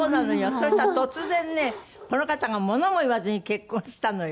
そしたら突然ねこの方がものも言わずに結婚したのよ。